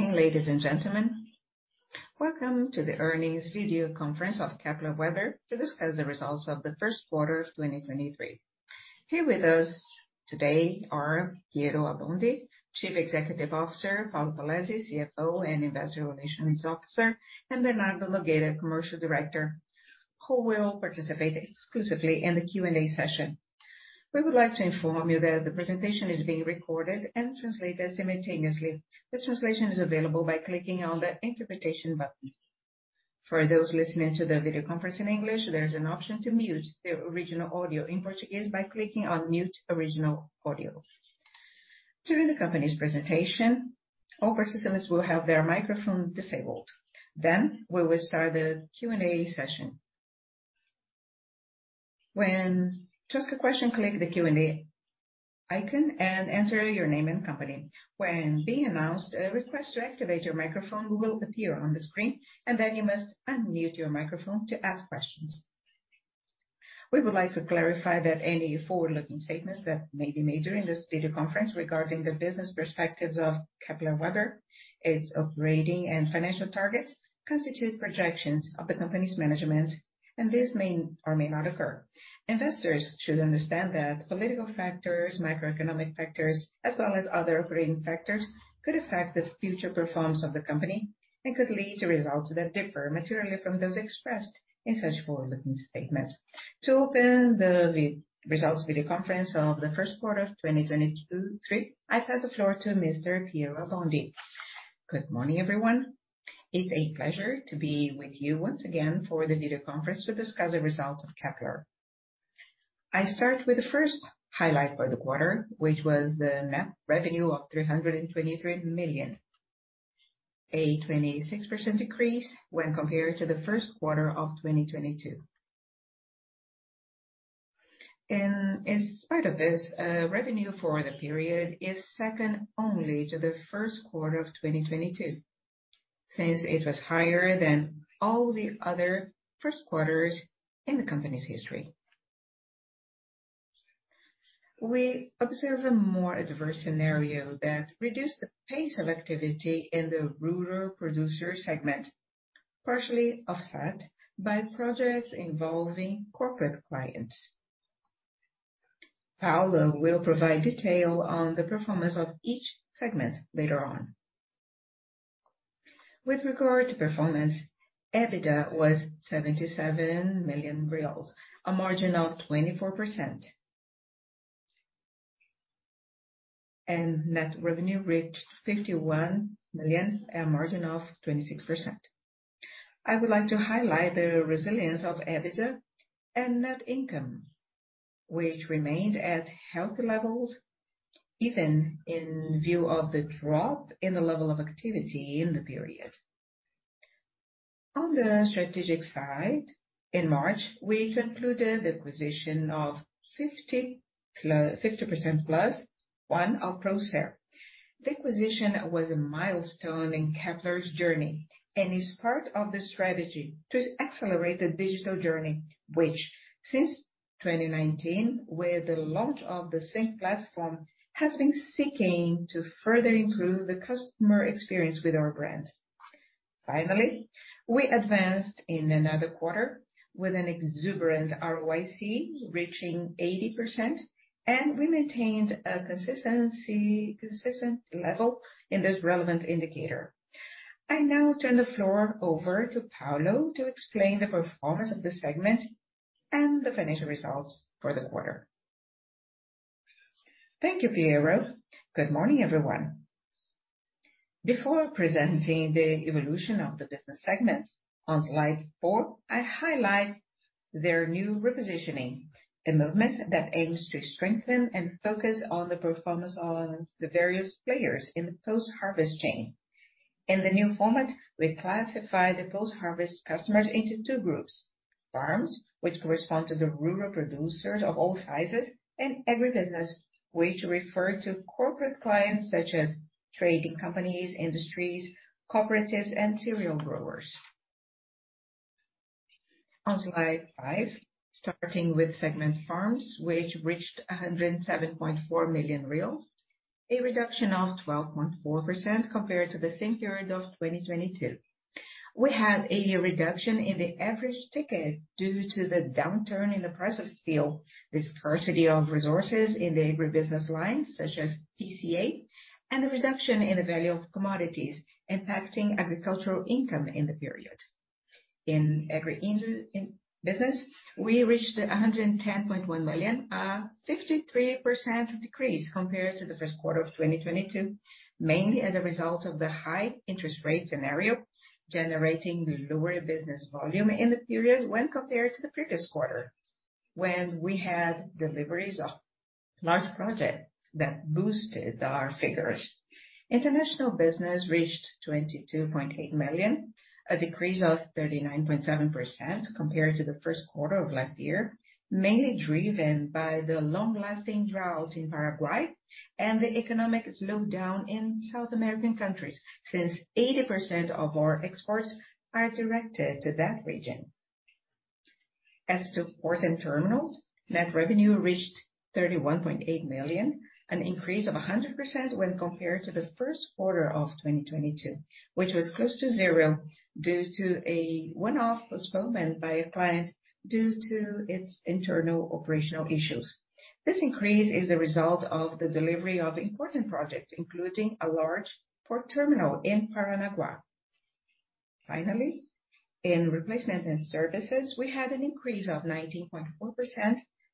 Morning, ladies and gentlemen. Welcome to the Earnings Video Conference of Kepler Weber to discuss the results of the first quarter of 2023. Here with us today are Piero Abbondi, Chief Executive Officer, Paulo Polezi, CFO and Investor Relations Officer, and Bernardo Nogueira, Commercial Director, who will participate exclusively in the Q&A session. We would like to inform you that the presentation is being recorded and translated simultaneously. The translation is available by clicking on the Interpretation button. For those listening to the video conference in English, there is an option to mute the original audio in Portuguese by clicking on Mute Original Audio. During the company's presentation, all participants will have their microphone disabled. We will start the Q&A session. To ask a question, click the Q&A icon and enter your name and company. When being announced, a request to activate your microphone will appear on the screen, and then you must unmute your microphone to ask questions. We would like to clarify that any forward-looking statements that may be made during this video conference regarding the business perspectives of Kepler Weber, its operating and financial targets, constitute projections of the company's management, and these may or may not occur. Investors should understand that political factors, microeconomic factors, as well as other operating factors could affect the future performance of the company and could lead to results that differ materially from those expressed in such forward-looking statements. To open the re-results video conference of the first quarter of 2023, I pass the floor to Mr. Piero Abbondi. Good morning, everyone. It's a pleasure to be with you once again for the video conference to discuss the results of Kepler. I start with the first highlight for the quarter, which was the net revenue of 323 million, a 26% decrease when compared to the first quarter of 2022. In spite of this, revenue for the period is second only to the first quarter of 2022, since it was higher than all the other first quarters in the company's history. We observe a more adverse scenario that reduced the pace of activity in the rural producer segment, partially offset by projects involving corporate clients. Paulo will provide detail on the performance of each segment later on. With regard to performance, EBITDA was 77 million reais, a margin of 24%. Net revenue reached 51 million, a margin of 26%. I would like to highlight the resilience of EBITDA and net income, which remained at healthy levels, even in view of the drop in the level of activity in the period. On the strategic side, in March, we concluded the acquisition of 50% plus one of Procer. The acquisition was a milestone in Kepler's journey and is part of the strategy to accelerate the digital journey, which since 2019, with the launch of the Sync platform, has been seeking to further improve the customer experience with our brand. Finally, we advanced in another quarter with an exuberant ROIC reaching 80%, and we maintained a consistent level in this relevant indicator. I now turn the floor over to Paulo to explain the performance of the segment and the financial results for the quarter. Thank you, Piero. Good morning, everyone. Before presenting the evolution of the business segment on slide four, I highlight their new repositioning. A movement that aims to strengthen and focus on the performance on the various players in the post-harvest chain. In the new format, we classify the post-harvest customers into two groups: farms, which correspond to the rural producers of all sizes, and agribusiness, which refer to corporate clients such as trading companies, industries, cooperatives, and cereal growers. On slide five, starting with segment farms, which reached 107.4 million reais, a reduction of 12.4% compared to the same period of 2022. We had a reduction in the average ticket due to the downturn in the price of steel, the scarcity of resources in the agribusiness lines such as PCA, and the reduction in the value of commodities impacting agricultural income in the period. In business, we reached 110.1 million, 53% decrease compared to the first quarter of 2022, mainly as a result of the high interest rate scenario, generating lower business volume in the period when compared to the previous quarter, when we had deliveries of large projects that boosted our figures. International business reached 22.8 million, a decrease of 39.7% compared to the first quarter of last year, mainly driven by the long-lasting drought in Paraguay and the economic slowdown in South American countries since 80% of our exports are directed to that region. As to ports and terminals, net revenue reached 31.8 million, an increase of 100% when compared to the first quarter of 2022, which was close to zero due to a one-off postponement by a client due to its internal operational issues. This increase is a result of the delivery of important projects, including a large port terminal in Paranaguá. Finally, in replacement and services, we had an increase of 19.4%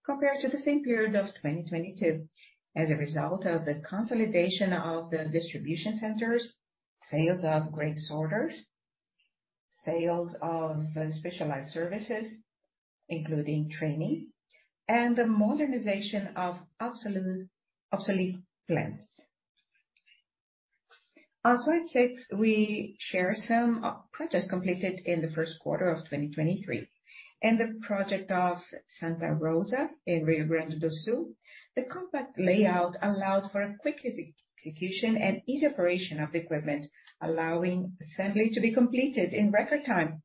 compared to the same period of 2022 as a result of the consolidation of the distribution centers, sales of CapEx orders, sales of specialized services, including training, and the modernization of obsolete plants. On slide six, we share some projects completed in the first quarter of 2023. In the project of Santa Rosa in Rio Grande do Sul, the compact layout allowed for a quick execution and easy operation of the equipment, allowing assembly to be completed in record time,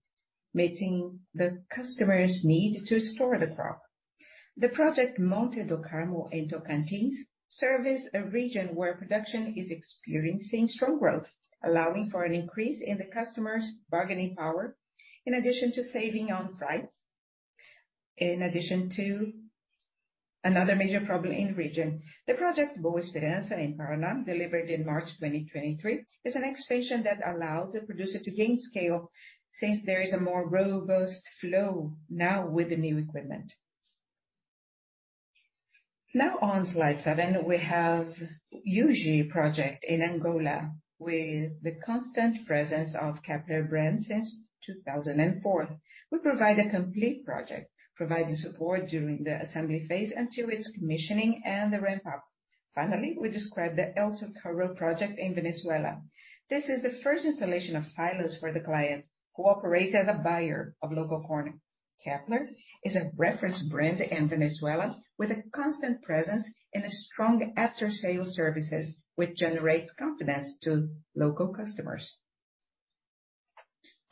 meeting the customer's need to store the crop. The project Monte do Carmo in Tocantins, service a region where production is experiencing strong growth, allowing for an increase in the customer's bargaining power in addition to saving on freights, in addition to another major problem in the region. The project Boa Esperança in Paraná, delivered in March 2023, is an expansion that allowed the producer to gain scale since there is a more robust flow now with the new equipment. On slide seven, we have Uíge project in Angola with the constant presence of Kepler brand since 2004. We provide a complete project, providing support during the assembly phase until its commissioning and the ramp up. We describe the El Socorro project in Venezuela. This is the first installation of silos for the client who operates as a buyer of local corn. Kepler is a reference brand in Venezuela with a constant presence and a strong after-sales services which generates confidence to local customers.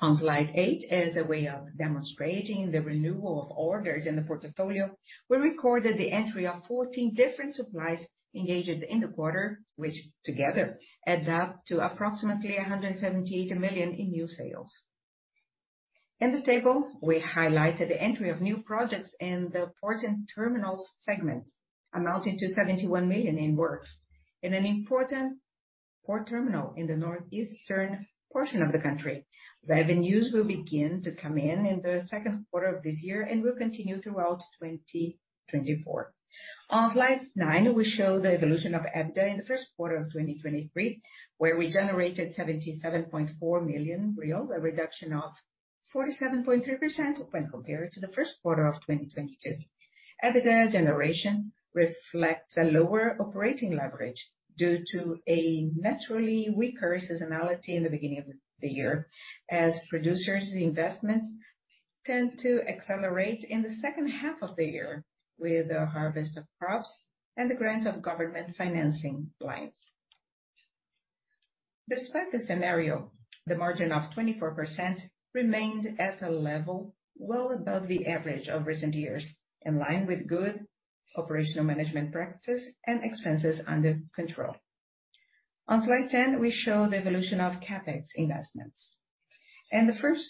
On slide eight, as a way of demonstrating the renewal of orders in the portfolio, we recorded the entry of 14 different suppliers engaged in the quarter, which together add up to approximately 178 million in new sales. In the table, we highlighted the entry of new projects in the ports and terminals segment amounting to 71 million in works. In an important port terminal in the northeastern portion of the country, the revenues will begin to come in in the second quarter of this year and will continue throughout 2024. On slide nine, we show the evolution of EBITDA in the first quarter of 2023, where we generated BRL 77.4 million, a reduction of 47.3% when compared to the first quarter of 2022. EBITDA generation reflects a lower operating leverage due to a naturally weaker seasonality in the beginning of the year as producers' investments tend to accelerate in the second half of the year with the harvest of crops and the grants of government financing lines. Despite the scenario, the margin of 24% remained at a level well above the average of recent years, in line with good operational management practices and expenses under control. On slide 10, we show the evolution of CapEx investments. In the first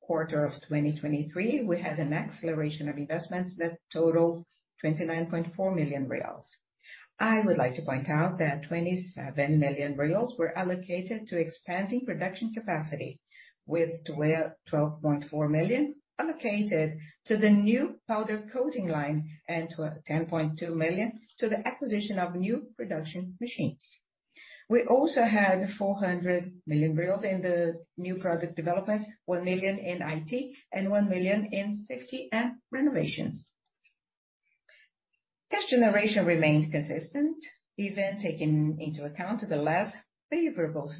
quarter of 2023, we had an acceleration of investments that totaled 29.4 million reais. I would like to point out that 27 million reais were allocated to expanding production capacity, with 12.4 million allocated to the new powder coating line and 10.2 million to the acquisition of new production machines. We also had 400 million reais in the new product development, 1 million in IT, and 1 million in safety and renovations. Cash generation remains consistent even taking into account the less favorable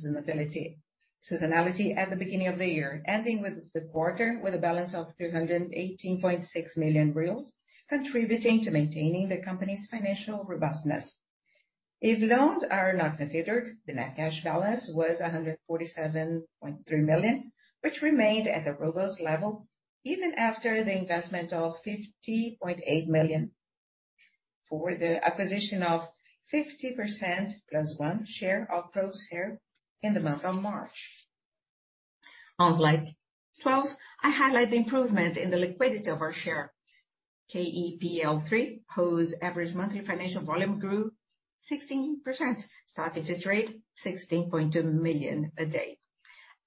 seasonality at the beginning of the year, ending with the quarter with a balance of 318.6 million reais, contributing to maintaining the company's financial robustness. If loans are not considered, the net cash balance was 147.3 million, which remained at a robust level even after the investment of 50.8 million for the acquisition of 50% plus one share of Procer in the month of March. On slide 12, I highlight the improvement in the liquidity of our share. KEPL3, whose average monthly financial volume grew 16%, started to trade 16.2 million a day.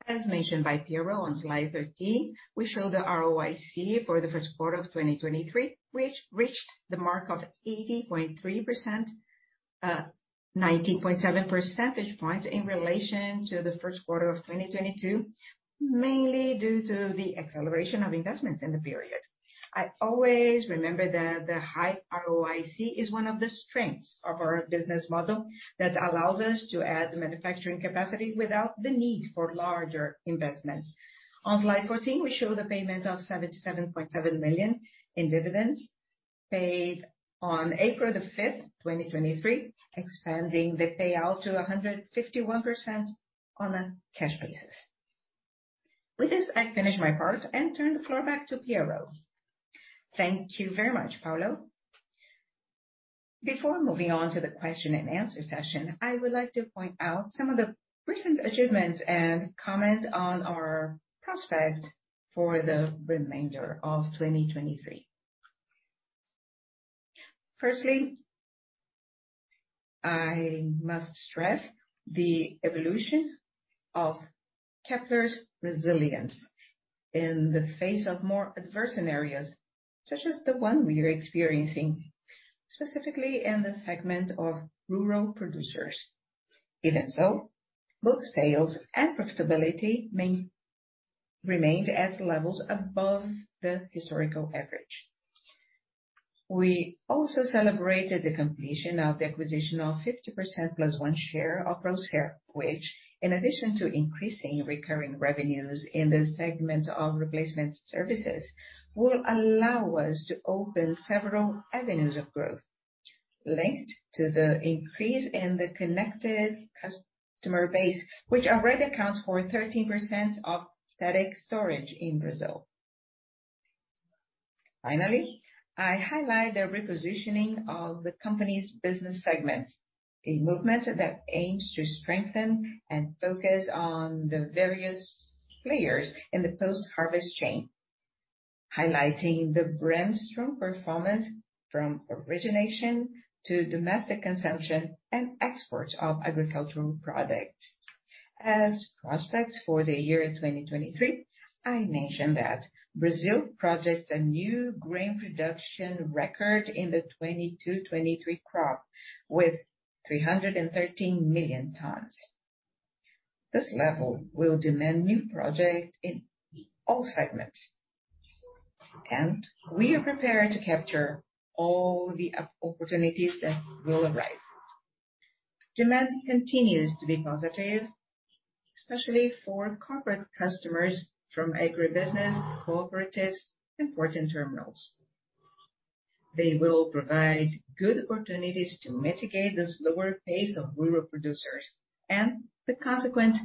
As mentioned by Piero on slide 13, we show the ROIC for the first quarter of 2023, which reached the mark of 80.3%, 19.7 percentage points in relation to the first quarter of 2022, mainly due to the acceleration of investments in the period. I always remember that the high ROIC is one of the strengths of our business model that allows us to add manufacturing capacity without the need for larger investments. On slide 14, we show the payment of 77.7 million in dividends. Paid on April the 5th 2023, expanding the payout to 151% on a cash basis. With this, I finish my part and turn the floor back to Piero. Thank you very much, Paulo. Before moving on to the question and answer session, I would like to point out some of the recent achievements and comment on our prospect for the remainder of 2023. Firstly, I must stress the evolution of Kepler's resilience in the face of more adverse scenarios, such as the one we are experiencing, specifically in the segment of rural producers. Even so, both sales and profitability remained at levels above the historical average. We also celebrated the completion of the acquisition of 50% plus one share of Procer, which, in addition to increasing recurring revenues in the segment of Replacement Services, will allow us to open several avenues of growth linked to the increase in the connected customer base, which already accounts for 13% of static storage in Brazil. Finally, I highlight the repositioning of the company's business segment, a movement that aims to strengthen and focus on the various players in the post-harvest chain. Highlighting the brainstorm performance from origination to domestic consumption and exports of agricultural products. As prospects for the year 2023, I mentioned that Brazil projects a new grain production record in the 2022-2023 crop with 313 million tons. This level will demand new project in all segments, and we are prepared to capture all the opportunities that will arise. Demand continues to be positive, especially for corporate customers from agribusiness, cooperatives, and porting terminals. They will provide good opportunities to mitigate the slower pace of rural producers and the consequent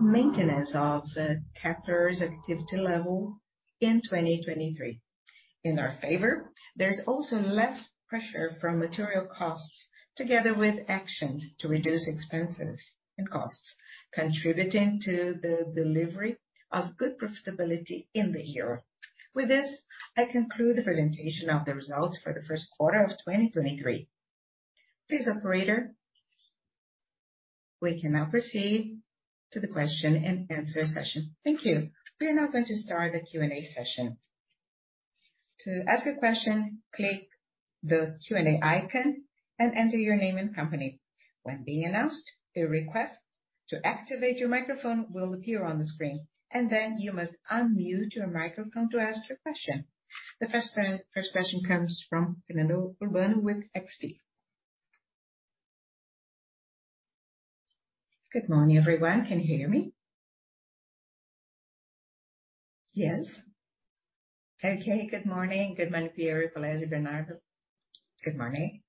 maintenance of the Kepler's activity level in 2023. In our favor, there's also less pressure from material costs together with actions to reduce expenses and costs, contributing to the delivery of good profitability in the year. With this, I conclude the presentation of the results for the first quarter of 2023. Please, operator, we can now proceed to the question and answer session. Thank you. We are now going to start the Q&A session. To ask a question, click the Q&A icon and enter your name and company. When being announced, a request to activate your microphone will appear on the screen, and then you must unmute your microphone to ask your question. The first question comes from Fernanda Urbano with XP. Good morning, everyone. Can you hear me? Yes. Okay. Good morning. Good morning, Piero, Polezi, Bernardo. Good morning.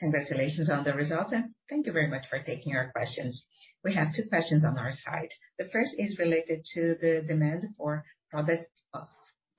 Congratulations on the results, thank you very much for taking our questions. We have two questions on our side. The first is related to the demand for products of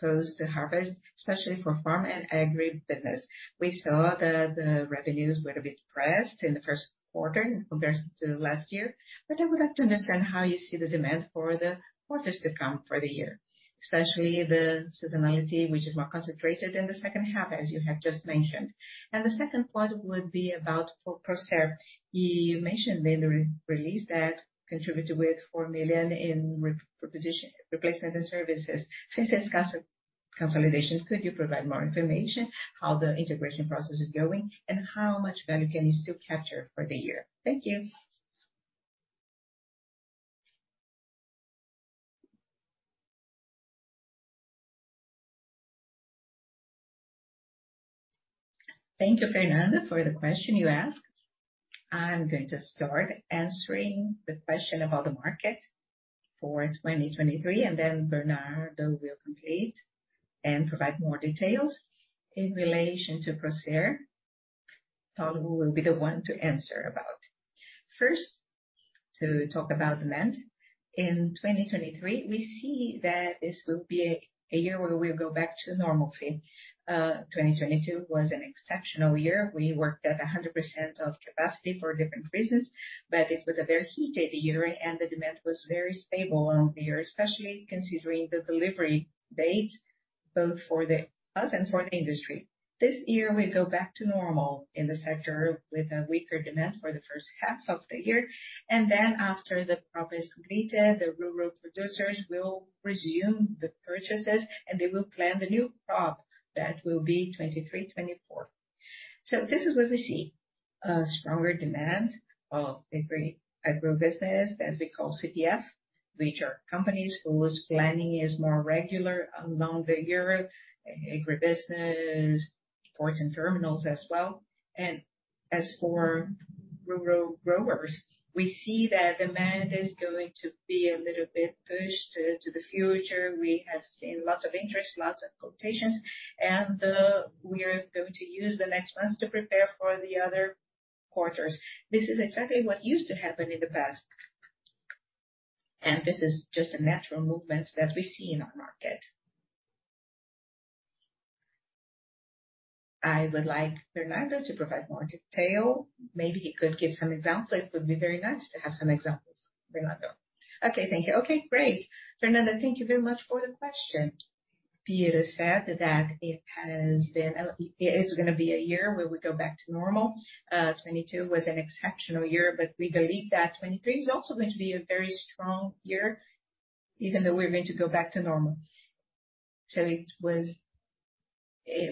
post-harvest, especially for farm and agribusiness. We saw that the revenues were a bit depressed in the first quarter in comparison to last year. I would like to understand how you see the demand for the quarters to come for the year, especially the seasonality, which is more concentrated in the second half, as you have just mentioned. The second part would be about for Procer. You mentioned in the re-release that contributed with 4 million in replacement and services. Since its consolidation, could you provide more information how the integration process is going and how much value can you still capture for the year? Thank you. Thank you, Fernanda, for the question you asked. I'm going to start answering the question about the market for 2023 and then Bernardo will complete and provide more details. In relation to Procer, Paulo will be the one to answer about it. First, to talk about demand. In 2023, we see that this will be a year where we go back to normalcy. 2022 was an exceptional year. We worked at 100% of capacity for different reasons, but it was a very heated year and the demand was very stable along the year, especially considering the delivery date both for the us and for the industry. This year we go back to normal in the sector with a weaker demand for the first half of the year. After the crop is completed, the rural producers will resume the purchases and they will plan the new crop that will be 2023, 2024. This is what we see, stronger demand of agribusiness that we call CNPJ, which are companies whose planning is more regular along the year, agribusiness, ports and terminals as well. As for rural growers, we see that demand is going to be a little bit pushed to the future. We have seen lots of interest, lots of quotations, and we are going to use the next months to prepare for the other quarters. This is exactly what used to happen in the past. This is just a natural movement that we see in our market. I would like Bernardo to provide more detail. Maybe he could give some examples. It would be very nice to have some examples, Bernardo. Okay, thank you. Okay, great. Fernanda, thank you very much for the question. Piero said that it is going to be a year where we go back to normal. 2022 was an exceptional year, we believe that 2023 is also going to be a very strong year, even though we're going to go back to normal.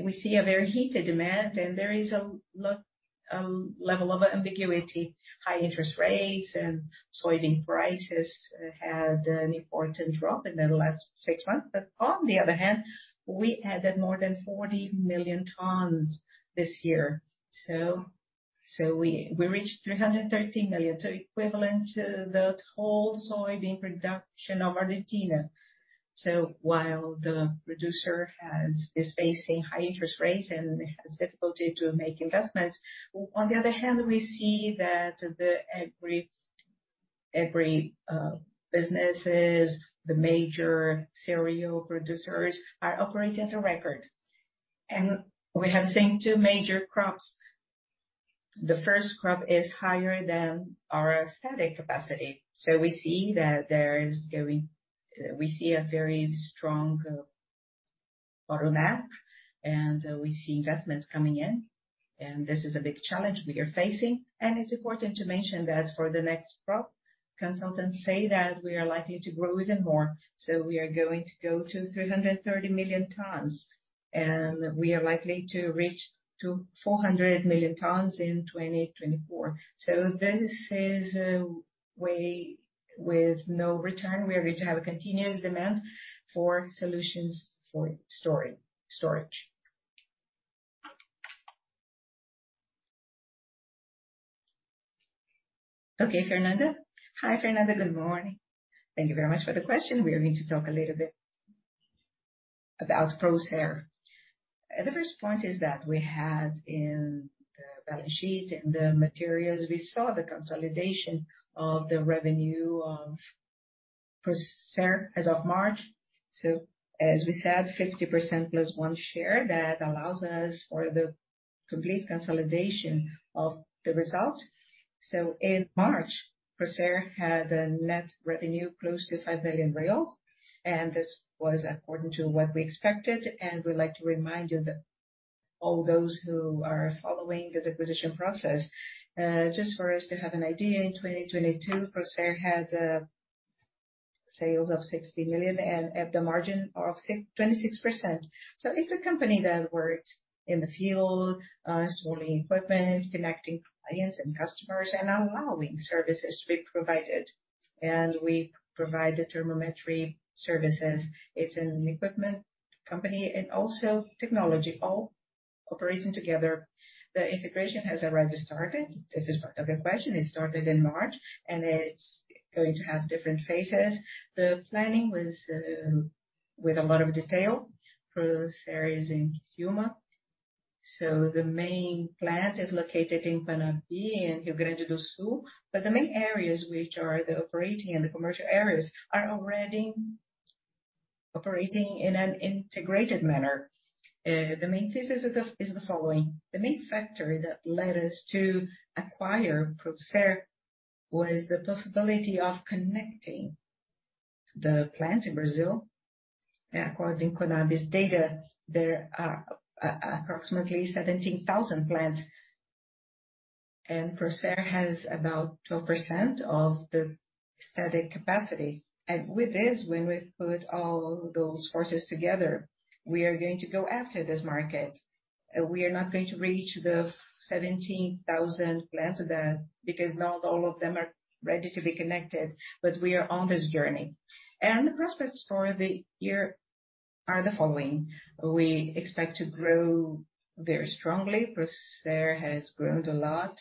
We see a very heated demand, and there is a level of ambiguity. High interest rates and soybean prices have had an important drop in the last six months. On the other hand, we added more than 40 million tons this year. We reached 330 million, so equivalent to the whole soybean production of Argentina. While the producer is facing high interest rates and has difficulty to make investments, on the other hand, we see that the agri businesses, the major cereal producers are operating at a record. We have seen two major crops. The first crop is higher than our static capacity. We see that we see a very strong roadmap, and we see investments coming in. This is a big challenge we are facing. It's important to mention that for the next crop, consultants say that we are likely to grow even more, so we are going to go to 330 million tons. We are likely to reach to 400 million tons in 2024. This is a way with no return. We're going to have a continuous demand for solutions for storage. Okay, Fernanda? Hi, Fernanda. Good morning. Thank you very much for the question. We are going to talk a little bit about Procer. The first point is that we had in the balance sheet, in the materials, we saw the consolidation of the revenue of Procer as of March. As we said, 50% plus one share that allows us for the complete consolidation of the results. In March, Procer had a net revenue close to 5 million reais, and this was according to what we expected. We'd like to remind you that all those who are following this acquisition process, just for us to have an idea, in 2022, Procer had sales of 60 million and at the margin of 26%. It's a company that works in the field, installing equipment, connecting clients and customers, and allowing services to be provided. We provide the telemetric services. It's an equipment company and also technology, all operating together. The integration has already started. This is part of the question. It started in March, and it's going to have different phases. The planning was with a lot of detail. Procer is in Criciúma. The main plant is located in Panambi in Rio Grande do Sul. The main areas which are the operating and the commercial areas are already operating in an integrated manner. The main thesis is the following. The main factor that led us to acquire Procer was the possibility of connecting the plant in Brazil. According to Conab's data, there are approximately 17,000 plants, and Procer has about 12% of the static capacity. With this, when we put all those forces together, we are going to go after this market. We are not going to reach the 17,000 plants then because not all of them are ready to be connected. We are on this journey. The prospects for the year are the following. We expect to grow very strongly. Procer has grown a lot.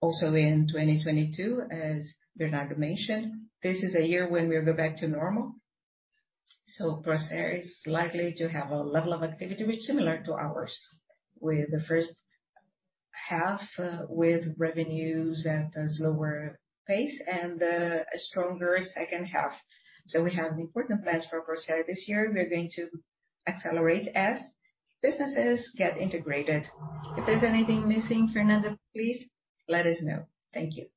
Also in 2022, as Bernardo mentioned, this is a year when we'll go back to normal. Procer is likely to have a level of activity which similar to ours, with the first half with revenues at a slower pace and a stronger second half. We have important plans for Procer this year. We're going to accelerate as businesses get integrated. If there's anything missing, Fernanda, please let us know. Thank you.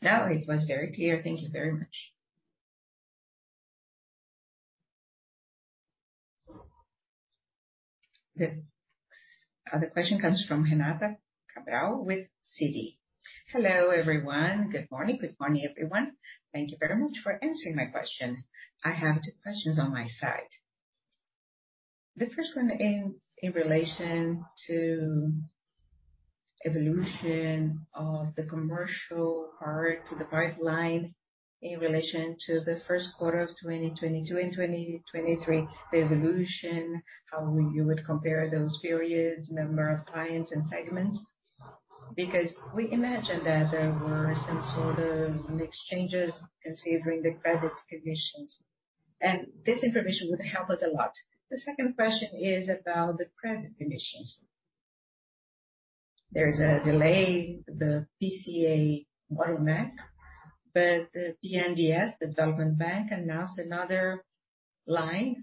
No, it was very clear. Thank you very much. Good. Other question comes from Renata Cabral with Citi. Hello, everyone. Good morning. Good morning, everyone. Thank you very much for answering my question. I have two questions on my side. The first one is in relation to evolution of the commercial part to the pipeline in relation to the 1st quarter of 2022 and 2023. The evolution, how you would compare those periods, number of clients and segments. We imagine that there were some sort of exchanges considering the credit conditions. This information would help us a lot. The second question is about the credit conditions. There's a delay, the PCA water mech, but the BNDES, Development Bank, announced another line.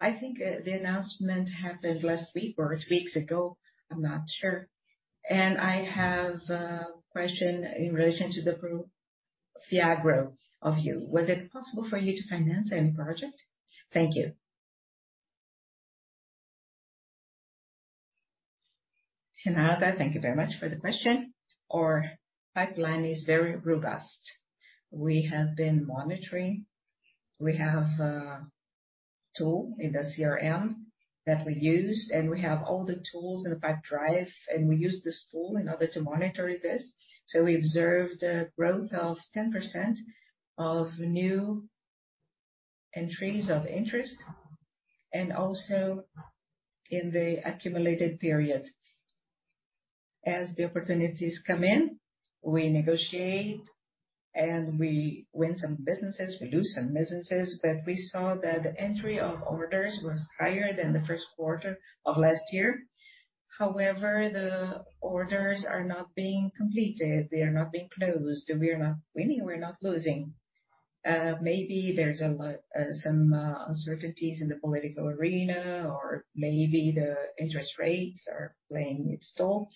I think the announcement happened last week or two weeks ago, I'm not sure. I have a question in relation to the FIAGRO of you. Was it possible for you to finance any project? Thank you. Renata, thank you very much for the question. Our pipeline is very robust. We have been monitoring. We have a tool in the CRM that we use, and we have all the tools in the Pipedrive, and we use this tool in order to monitor this. We observed a growth of 10% of new entries of interest, and also in the accumulated period. As the opportunities come in, we negotiate and we win some businesses, we lose some businesses, but we saw that the entry of orders was higher than the first quarter of last year. The orders are not being completed. They are not being closed. We are not winning, we're not losing. Maybe there's some uncertainties in the political arena, or maybe the interest rates are playing its role.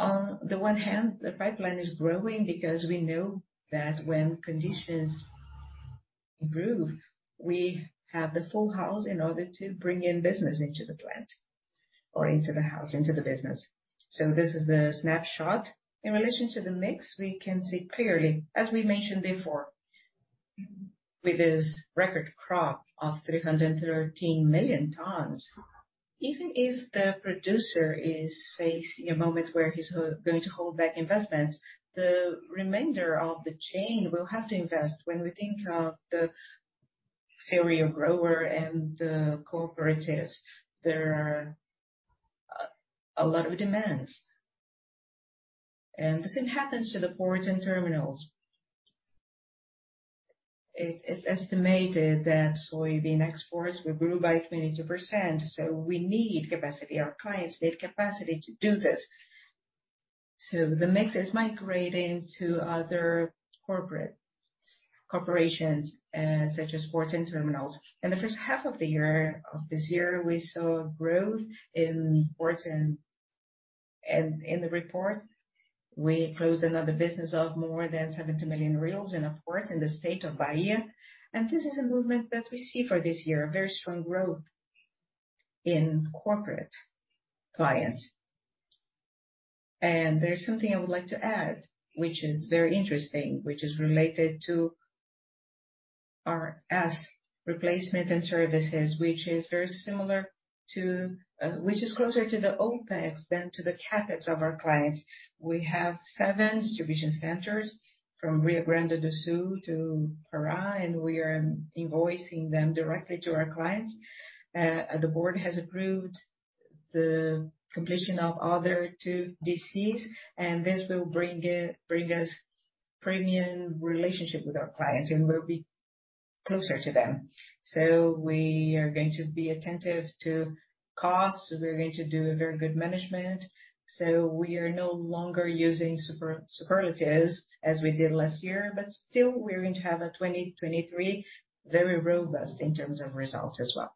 On the one hand, the pipeline is growing because we know that when conditions improve, we have the full house in order to bring in business into the plant or into the house, into the business. This is the snapshot. In relation to the mix, we can see clearly, as we mentioned before, with this record crop of 313 million tons. If the producer is facing a moment where he's going to hold back investments, the remainder of the chain will have to invest. We think of the cereal grower and the cooperatives, there are a lot of demands. The same happens to the ports and terminals. It's estimated that soybean exports will grow by 22%, so we need capacity. Our clients need capacity to do this. The mix is migrating to other corporate corporations, such as ports and terminals. In the first half of this year, we saw growth in ports and in the report, we closed another business of more than 70 million reais in a port in the state of Bahia. This is a movement that we see for this year, a very strong growth in corporate clients. There's something I would like to add, which is very interesting, which is related to our as Replacement and Services, which is very similar to, which is closer to the OPEX than to the CapEx of our clients. We have seven distribution centers from Rio Grande do Sul to Pará, and we are invoicing them directly to our clients. The board has approved the completion of other 2 DCs, and this will bring us premium relationship with our clients, and we'll be closer to them. We are going to be attentive to costs. We're going to do a very good management. We are no longer using superlatives as we did last year, still, we're going to have a 2023, very robust in terms of results as well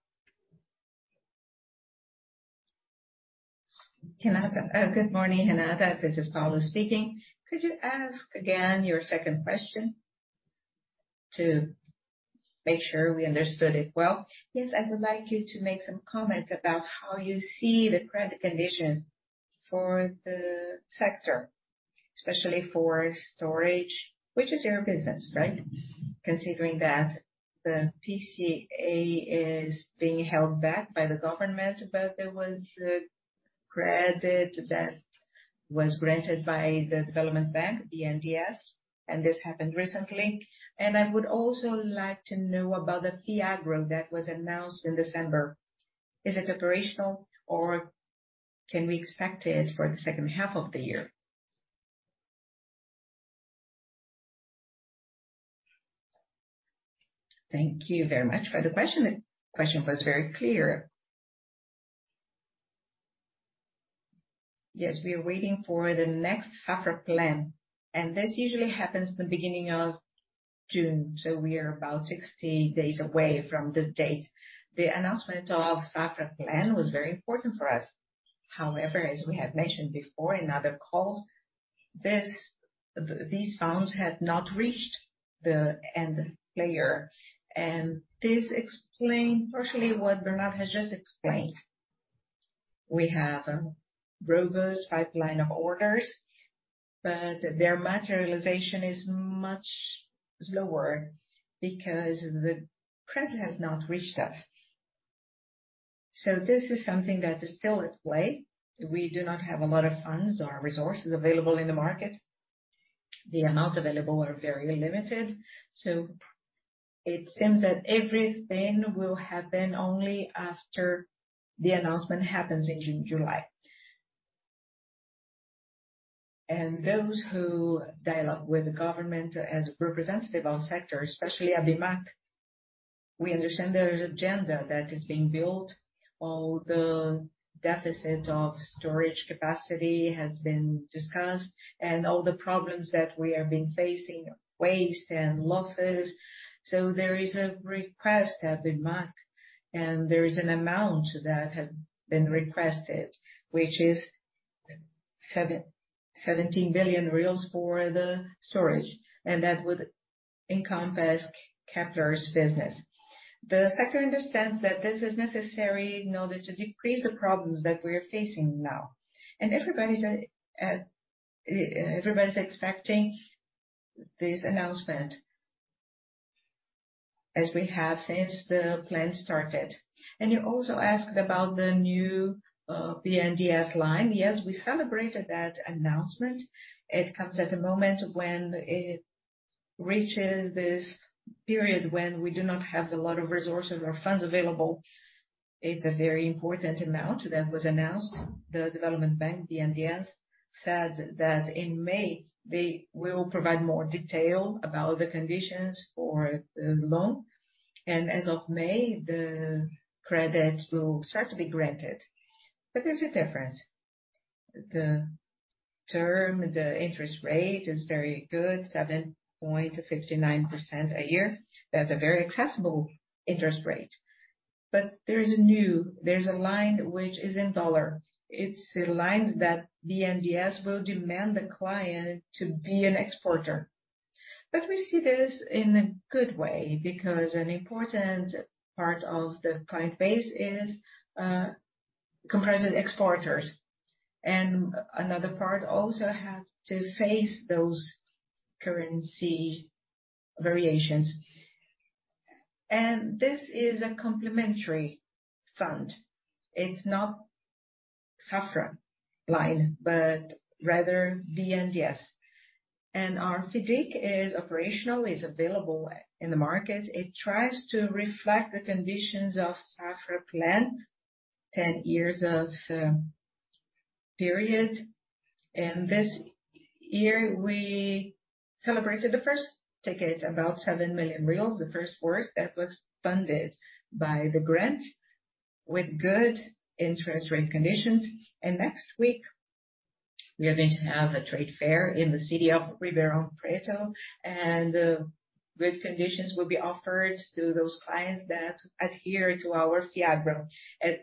Renata. Good morning, Renata. This is Paulo speaking. Could you ask again your second question to make sure we understood it well? Yes. I would like you to make some comments about how you see the credit conditions for the sector, especially for storage, which is your business, right? Considering that the PCA is being held back by the government, but there was a credit that was granted by the Development Bank, BNDES, and this happened recently. I would also like to know about the FIAGRO that was announced in December. Is it operational or can we expect it for the second half of the year? Thank you very much for the question. The question was very clear. Yes, we are waiting for the next SAFRA plan, and this usually happens in the beginning of June. We are about 60 days away from this date. The announcement of SAFRA plan was very important for us. However, as we have mentioned before in other calls, these funds have not reached the end player. This explain partially what Bernard has just explained. We have a robust pipeline of orders. Their materialization is much slower because the credit has not reached us. This is something that is still at play. We do not have a lot of funds or resources available in the market. The amounts available are very limited. It seems that everything will happen only after the announcement happens in July. Those who dialogue with the government as representative of sectors, especially Abimaq, we understand there is agenda that is being built. All the deficit of storage capacity has been discussed and all the problems that we have been facing, waste and losses. There is a request at Abimaq, and there is an amount that has been requested, which is 17 billion reais for the storage, and that would encompass Kepler's business. The sector understands that this is necessary in order to decrease the problems that we are facing now. Everybody's expecting this announcement as we have since the plan started. You also asked about the new BNDES line. Yes, we celebrated that announcement. It comes at a moment when it reaches this period when we do not have a lot of resources or funds available. It's a very important amount that was announced. The development bank, BNDES, said that in May they will provide more detail about the conditions for the loan. As of May, the credit will start to be granted. There's a difference. The term, the interest rate is very good, 7.59% a year. That's a very accessible interest rate. There's a line which is in dollar. It's a line that BNDES will demand the client to be an exporter. We see this in a good way because an important part of the client base is comprised of exporters. Another part also have to face those currency variations. This is a complementary fund. It's not SAFRA line, but rather BNDES. Our FIDC is operational, is available in the market. It tries to reflect the conditions of SAFRA plan, 10 years of period. This year we celebrated the first ticket, about 7 million reais, the first forest that was funded by the grant with good interest rate conditions. Next week we are going to have a trade fair in the city of Ribeirão Preto, and good conditions will be offered to those clients that adhere to our FIAGRO.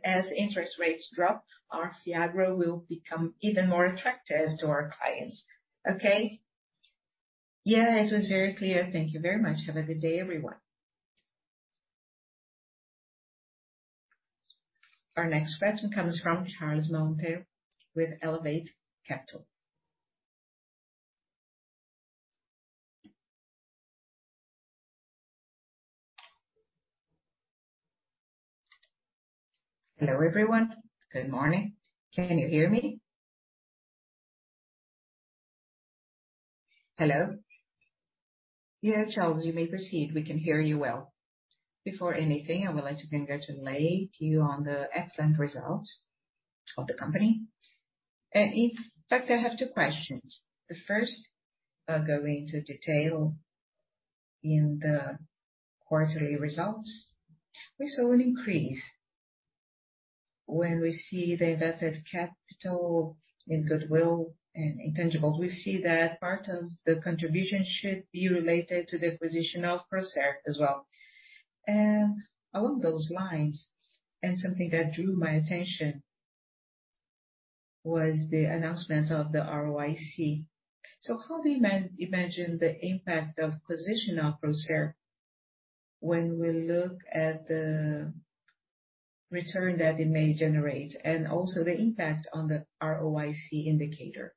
As interest rates drop, our FIAGRO will become even more attractive to our clients. Okay? Yeah, it was very clear. Thank you very much. Have a good day, everyone. Our next question comes from Charles Monteiro with Elevate Capital. Hello, everyone. Good morning. Can you hear me? Hello? Yeah, Charles, you may proceed. We can hear you well. Before anything, I would like to congratulate you on the excellent results of the company. In fact, I have two questions. The first, going into detail in the quarterly results. We saw an increase when we see the invested capital in goodwill and intangibles. We see that part of the contribution should be related to the acquisition of Procer as well. Along those lines, something that drew my attention was the announcement of the ROIC. How do you imagine the impact of acquisition of Procer when we look at the return that it may generate, and also the impact on the ROIC indicator?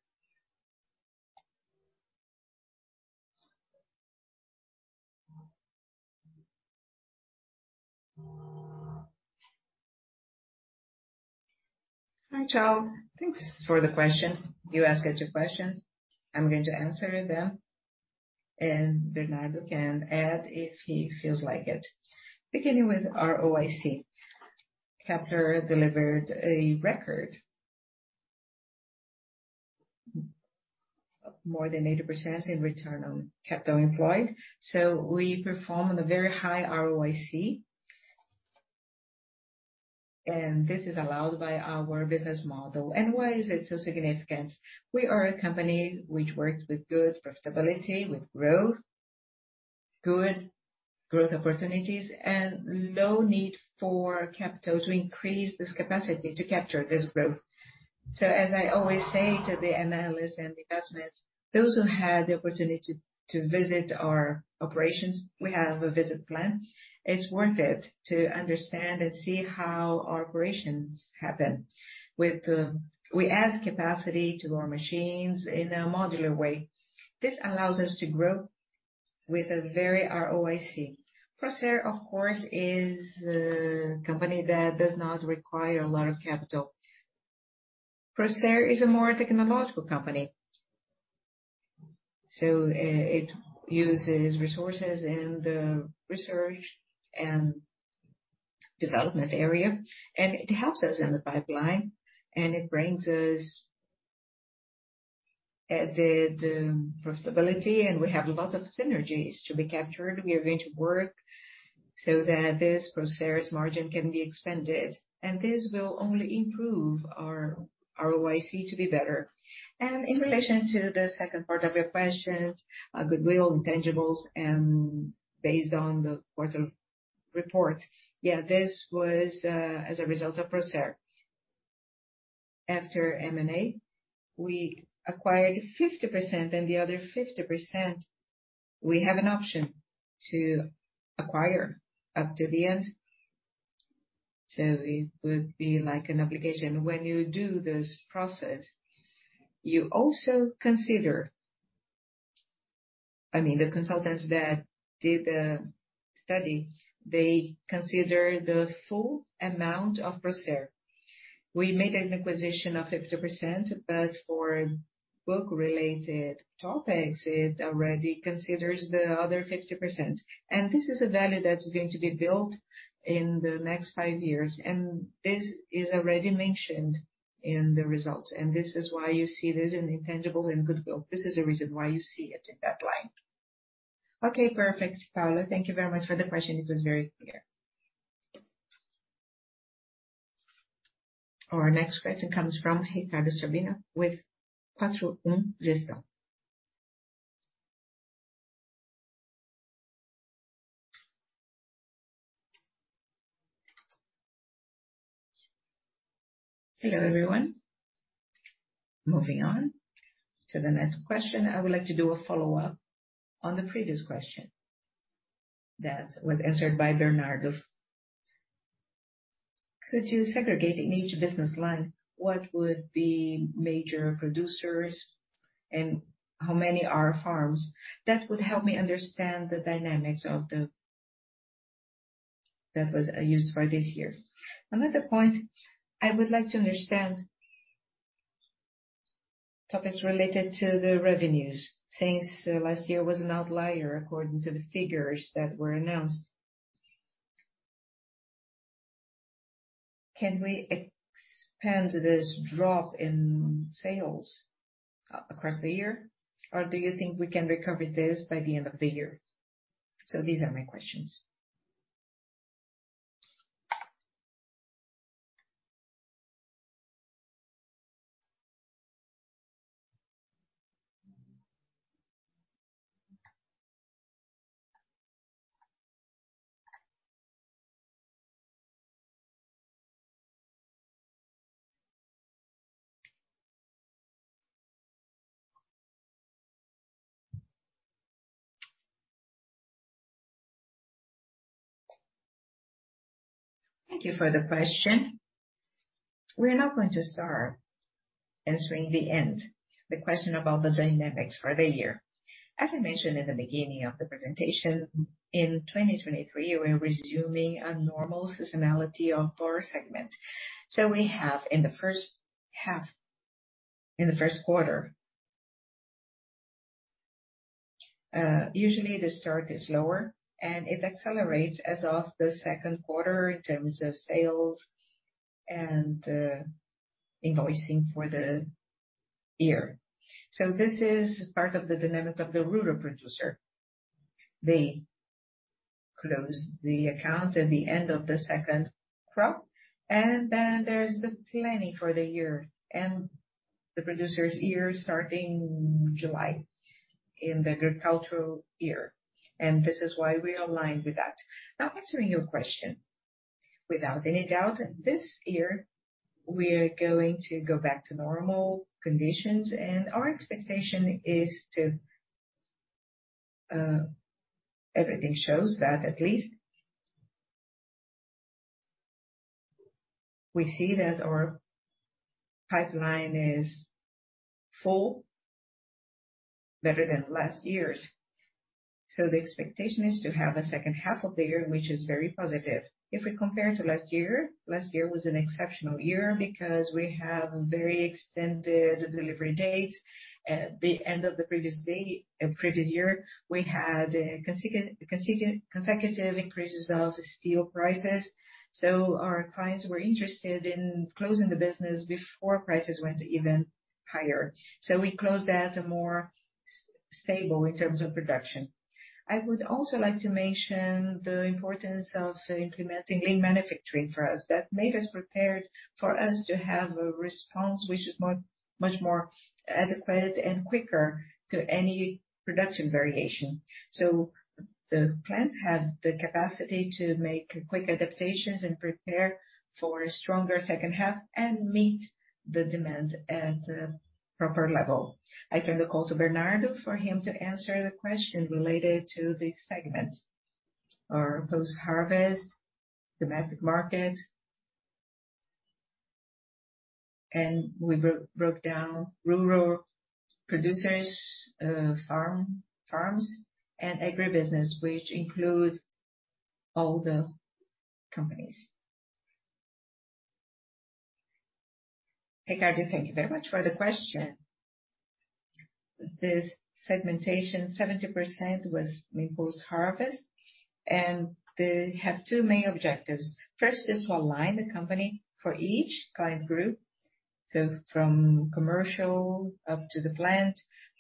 Hi, Charles. Thanks for the question. You asked two questions. I'm going to answer them, and Bernardo can add if he feels like it. Beginning with ROIC. Kepler delivered a record more than 80% in return on capital employed. We perform on a very high ROIC. This is allowed by our business model. Why is it so significant? We are a company which works with good profitability, with growth, good growth opportunities, and low need for capital to increase this capacity to capture this growth. As I always say to the analysts and the investors, those who had the opportunity to visit our operations, we have a visit plan. It's worth it to understand and see how our operations happen. We add capacity to our machines in a modular way. This allows us to grow with a very ROIC. Procer, of course, is a company that does not require a lot of capital. Procer is a more technological company, so, it uses resources in the research and development area, and it helps us in the pipeline, and it brings us added profitability, and we have lots of synergies to be captured. We are going to work so that this Procer's margin can be expanded, and this will only improve our ROIC to be better. In relation to the second part of your question, goodwill, intangibles, and based on the quarter report, yeah, this was as a result of Procer. After M&A, we acquired 50% and the other 50%, we have an option to acquire up to the end. It would be like an obligation. When you do this process, you also consider... I mean, the consultants that did the study, they consider the full amount of Procer. We made an acquisition of 50%, but for book-related topics, it already considers the other 50%. This is a value that's going to be built in the next five years, and this is already mentioned in the results, and this is why you see this in intangibles and goodwill. This is the reason why you see it in that line. Okay, perfect, Paulo. Thank you very much for the question. It was very clear. Our next question comes from Ricardo Sabino with Quatro Um. Please go on. Hello, everyone. Moving on to the next question. I would like to do a follow-up on the previous question that was answered by Bernardo. Could you segregate in each business line what would be major producers and how many are farms? That would help me understand the dynamics that was used for this year. Another point, I would like to understand topics related to the revenues, since last year was an outlier according to the figures that were announced. Can we expand this drop in sales across the year, or do you think we can recover this by the end of the year? These are my questions. Thank you for the question. We're now going to start answering the question about the dynamics for the year. As I mentioned in the beginning of the presentation, in 2023, we're resuming a normal seasonality of four segments. In the first quarter, usually the start is lower, and it accelerates as of the second quarter in terms of sales and invoicing for the year. This is part of the dynamic of the rural producer. They close the accounts at the end of the second crop, and then there's the planning for the year and the producer's year starting July in the agricultural year. This is why we aligned with that. Now answering your question. Without any doubt, this year we are going to go back to normal conditions, and our expectation is to. Everything shows that at least. We see that our pipeline is full, better than last year's. The expectation is to have a second half of the year, which is very positive. We compare to last year, last year was an exceptional year because we have very extended delivery date. At the end of the previous year, we had consecutive increases of steel prices, our clients were interested in closing the business before prices went even higher. We closed that more stable in terms of production. I would also like to mention the importance of implementing lean manufacturing for us. That made us prepared for us to have a response which is much more adequate and quicker to any production variation. The plants have the capacity to make quick adaptations and prepare for a stronger second half and meet the demand at a proper level. I turn the call to Bernardo for him to answer the question related to the segment or post-harvest, domestic market. We broke down rural producers, farm, farms and agribusiness, which include all the companies. Ricardo, thank you very much for the question. This segmentation, 70% was post-harvest, and they have two main objectives. First is to align the company for each client group. From commercial up to the plant,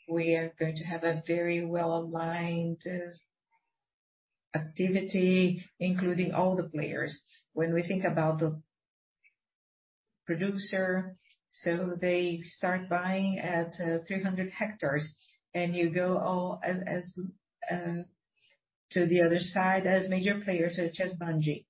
we are going to have a very well-aligned activity, including all the players. When we think about the producer, they start buying at 300 hectares, and you go all as to the other side as major players such as Bunge.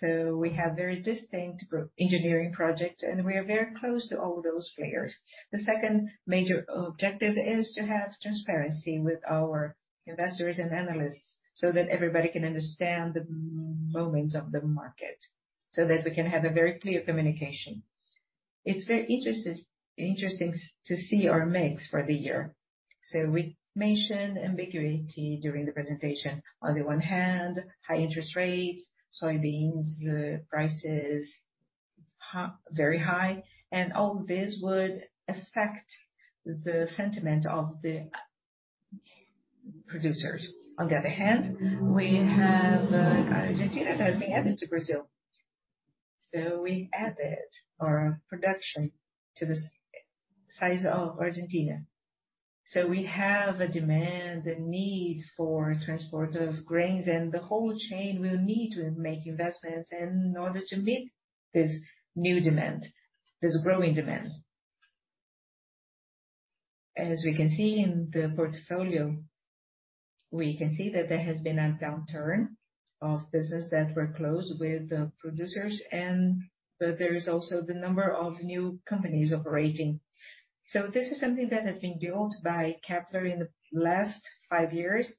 We have very distinct group engineering projects, and we are very close to all those players. The second major objective is to have transparency with our investors and analysts so that everybody can understand the moment of the market, so that we can have a very clear communication. It's very interesting to see our mix for the year. We mentioned ambiguity during the presentation. On the one hand, high interest rates, soybeans, prices, very high, and all this would affect the sentiment of the producers. On the other hand, we have Argentina that has been added to Brazil. We added our production to the size of Argentina. We have a demand and need for transport of grains, and the whole chain will need to make investments in order to meet this new demand, this growing demand. As we can see in the portfolio, we can see that there has been a downturn of business that were closed with the producers. There is also the number of new companies operating. This is something that has been built by Kepler in the last five years,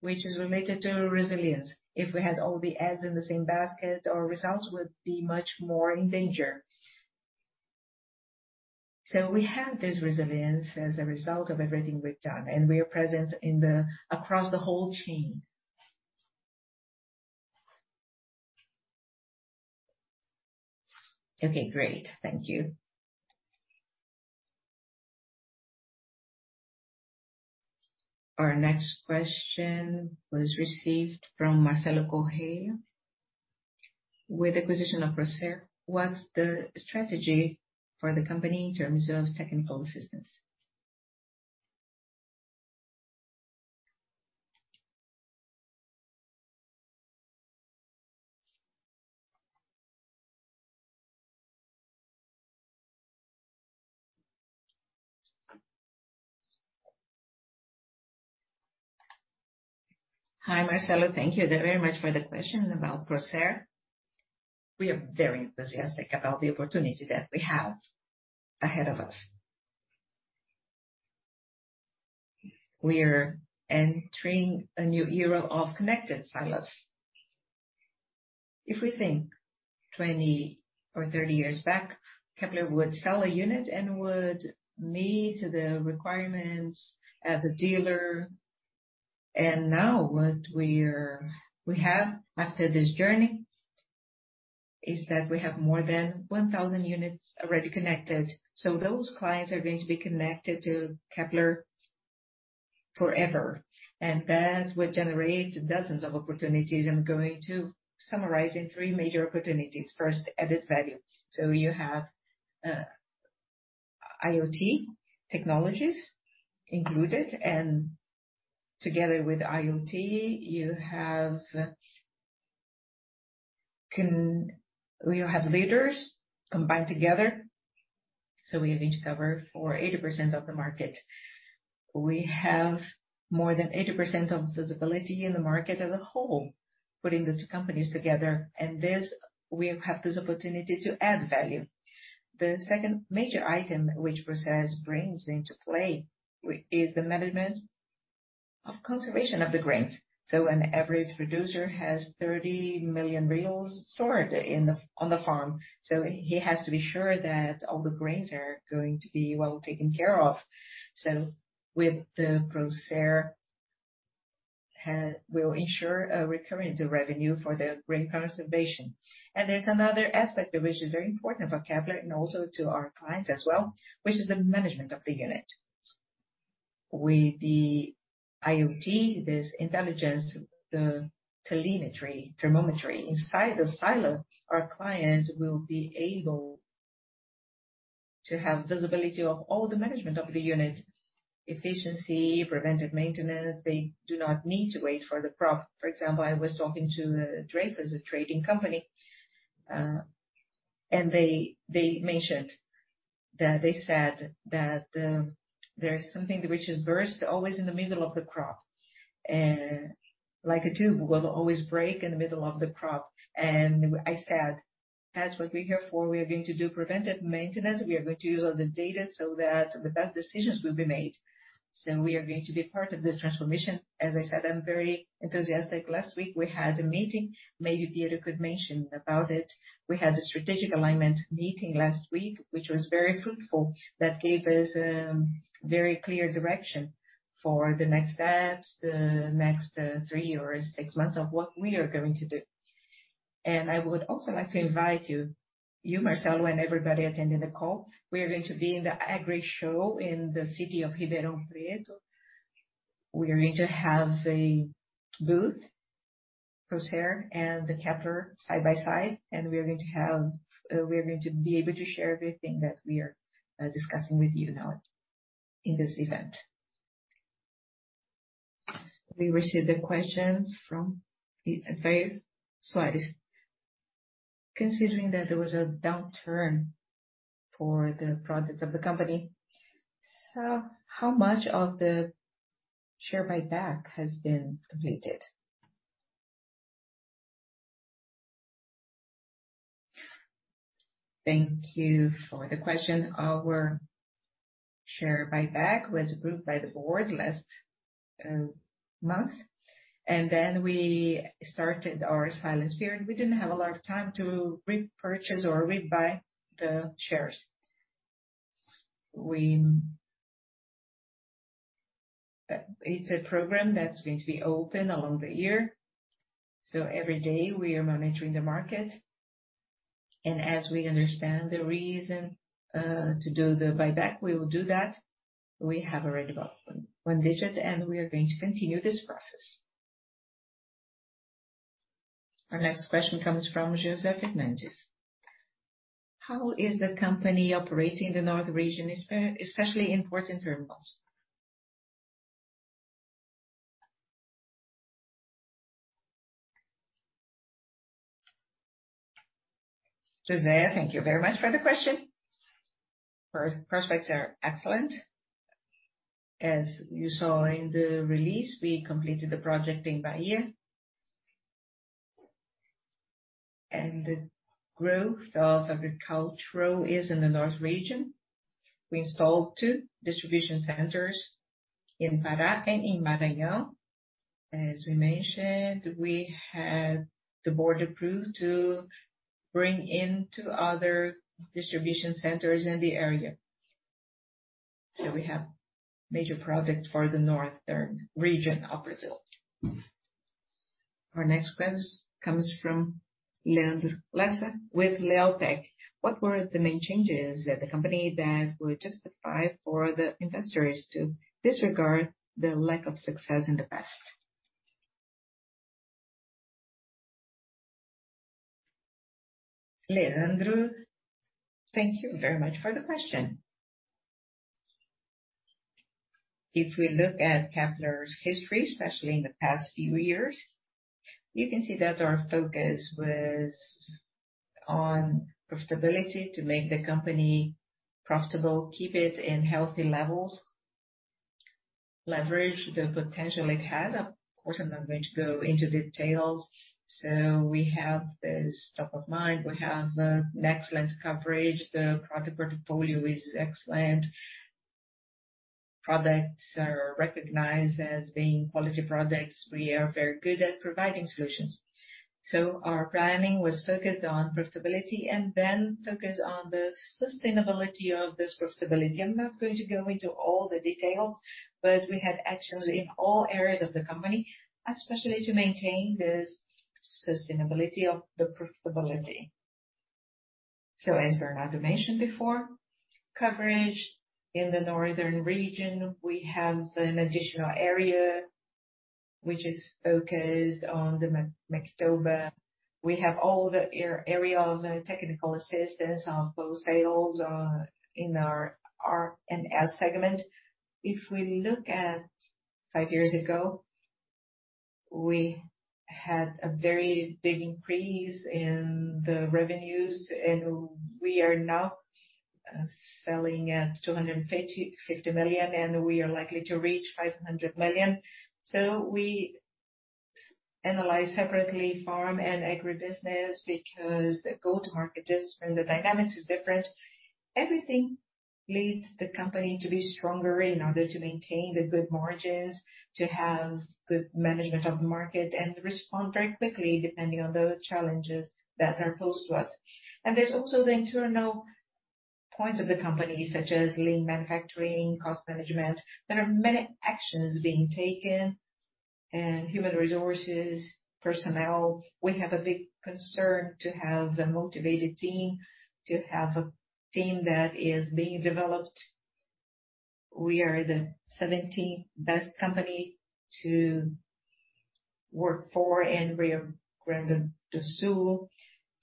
which is related to resilience. If we had all the eggs in the same basket, our results would be much more in danger. We have this resilience as a result of everything we've done, and we are present across the whole chain. Okay, great. Thank you. Our next question was received from Marcelo Coelho. With acquisition of Procer, what's the strategy for the company in terms of second pole systems? Hi, Marcelo. Thank you very much for the question about Procer. We are very enthusiastic about the opportunity that we have ahead of us. We're entering a new era of connected silos. If we think 20 or 30 years back, Kepler would sell a unit and would meet the requirements at the dealer. Now what we have after this journey is that we have more than 1,000 units already connected. Those clients are going to be connected to Kepler forever, and that will generate dozens of opportunities. I'm going to summarize in three major opportunities. First, added value. You have IoT technologies included. Together with IoT, you have leaders combined together. We need to cover for 80% of the market. We have more than 80% of visibility in the market as a whole, putting the two companies together. This, we have this opportunity to add value. The second major item which Procer brings into play is the management of conservation of the grains. An average producer has 30 million stored on the farm, so he has to be sure that all the grains are going to be well taken care of. With the Procer, we'll ensure a recurring revenue for the grain conservation. There's another aspect which is very important for Kepler and also to our clients as well, which is the management of the unit. With the IoT, this intelligence, the telemetry, thermometry inside the silo, our clients will be able to have visibility of all the management of the unit. Efficiency, preventive maintenance. They do not need to wait for the crop. For example, I was talking to Dreyfus, a trading company, They said that there's something which is burst always in the middle of the crop. Like a tube will always break in the middle of the crop. I said, "That's what we're here for. We are going to do preventive maintenance. We are going to use all the data so that the best decisions will be made." We are going to be part of this transformation. As I said, I'm very enthusiastic. Last week we had a meeting. Maybe Piero could mention about it. We had a strategic alignment meeting last week, which was very fruitful. That gave us very clear direction for the next steps, the next three or six months of what we are going to do. I would also like to invite you, Marcelo, and everybody attending the call. We are going to be in the Agrishow in the city of Ribeirão Preto. We are going to have a booth, Procer and the Kepler side by side. We are going to be able to share everything that we are discussing with you now in this event. We received a question from Faye Suarez. Considering that there was a downturn for the products of the company, how much of the share buyback has been completed? Thank you for the question. Our share buyback was approved by the board last month. We started our silence period. We didn't have a lot of time to repurchase or rebuy the shares. It's a program that's going to be open along the year, so every day we are monitoring the market, and as we understand the reason to do the buyback, we will do that. We have already bought one digit, and we are going to continue this process. Our next question comes from Joseph Mendes. How is the company operating the north region, especially in ports and terminals? Joseph, thank you very much for the question. Prospects are excellent. As you saw in the release, we completed the project in Bahia. The growth of agricultural is in the north region. We installed two distribution centers in Pará and in Maranhão. As we mentioned, we had the board approved to bring in two other distribution centers in the area. We have major projects for the northern region of Brazil. Our next question comes from Leandro Lessa with Leotech. What were the main changes at the company that would justify for the investors to disregard the lack of success in the past? Leandro, thank you very much for the question. If we look at Kepler's history, especially in the past few years, you can see that our focus was on profitability to make the company profitable, keep it in healthy levels, leverage the potential it has. Of course, I'm not going to go into details. We have this top of mind. We have excellent coverage. The product portfolio is excellent. Products are recognized as being quality products. We are very good at providing solutions. Our planning was focused on profitability and then focused on the sustainability of this profitability. I'm not going to go into all the details, but we had actions in all areas of the company, especially to maintain this sustainability of the profitability. As Bernardo mentioned before, coverage in the northern region, we have an additional area which is focused on the MATOPIBA. We have all the area of the technical assistance, of both sales, in our R&S segment. If we look at five years ago, we had a very big increase in the revenues, and we are now selling at 250 million, and we are likely to reach 500 million. We analyze separately farm and agribusiness because the go-to-market is, and the dynamics is different. Everything leads the company to be stronger in order to maintain the good margins, to have good management of the market, and respond very quickly depending on the challenges that are posed to us. There's also the internal points of the company, such as lean manufacturing, cost management. There are many actions being taken. In human resources, personnel, we have a big concern to have a motivated team, to have a team that is being developed. We are the 17th-best company to work for in Rio Grande do